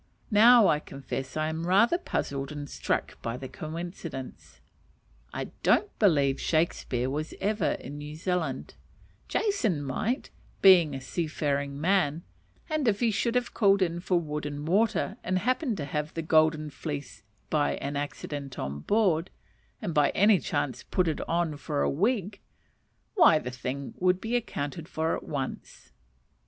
Now I confess I am rather puzzled and struck by the coincidence. I don't believe Shakspeare ever was in New Zealand; Jason might, being a seafaring man, and if he should have called in for wood and water, and happened to have the golden fleece by any accident on board, and by any chance put it on for a wig, why the thing would be accounted for at once.